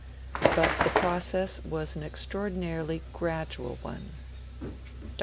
But the process was an extraordinarily gradual one. Dr.